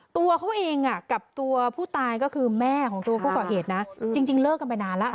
ตัวเขาเองกับตัวผู้ตายก็คือแม่ของตัวผู้ก่อเหตุนะจริงเลิกกันไปนานแล้ว